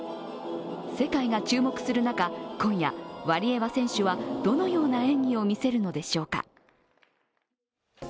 世界が注目する中、今夜、ワリエワ選手はどのような演技を見せるのでしょうか。